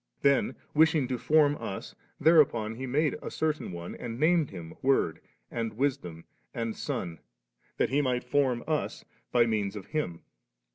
Then, wishing to form ns, thereupon He made a certain one, and named Him Word and Wisdom and Son, that He might form us by means of Him.'